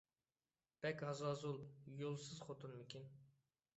بەك ھازازۇل، يولسىز خوتۇنمىكىن.